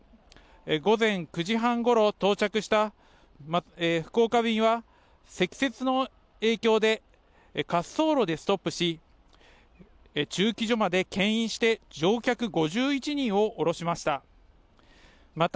午前９時半ごろ到着した、福岡便は、積雪の影響で、滑走路でストップし、駐機場までけん引して乗客５１人を降ろしました。